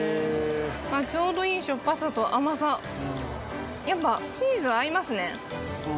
あっちょうどいいしょっぱさと甘さやっぱチーズ合いますね